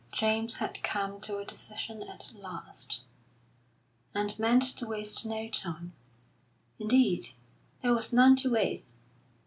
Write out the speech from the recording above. James had come to a decision at last, and meant to waste no time; indeed, there was none to waste.